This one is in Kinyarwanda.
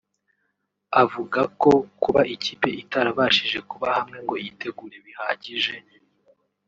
Avuga ko kuba ikipe itarabashije kuba hamwe ngo yitegure bihagije